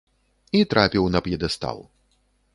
І трапіў на п'едэстал.